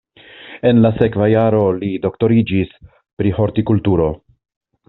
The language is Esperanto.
En la sekva jaro li doktoriĝis pri hortikulturo.